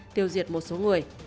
tiêu diệt một số người